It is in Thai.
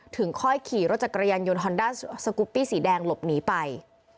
ถึงค่อยขี่รถจักรยานยนต์ฮอนด้าสกุปปี้สีแดงหลบหนีไป